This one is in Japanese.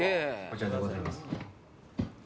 こちらでございます。